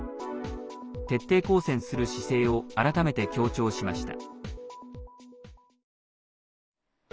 徹底抗戦する姿勢を改めて強調しました。